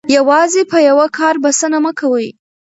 یوازې په یوه کار بسنه مه کوئ.